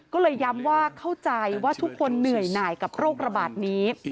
ก็เลยย้ำว่าเข้าใจว่าทุกคนเหนื่อยหน่ายกับโรคระบาดนี้